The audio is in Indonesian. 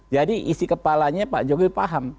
jadi isi kepalanya pak jokowi paham